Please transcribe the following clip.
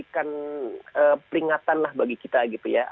kan peringatan lah bagi kita gitu ya